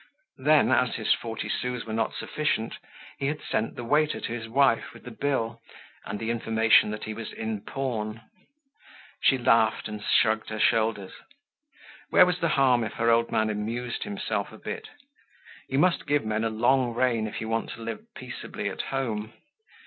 Then, as his forty sous were not sufficient, he had sent the waiter to his wife with the bill and the information that he was in pawn. She laughed and shrugged her shoulders. Where was the harm if her old man amused himself a bit? You must give men a long rein if you want to live peaceably at home.